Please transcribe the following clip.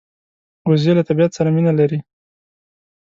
وزې له طبیعت سره مینه لري